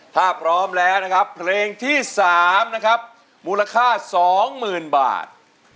ถ้าพร้อมแล้วนะครับเพลงที่สามนะครับมูลค่าสองหมื่นบาท